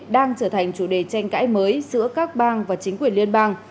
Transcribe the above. đang trở thành chủ đề tranh cãi mới giữa các bang và chính quyền liên bang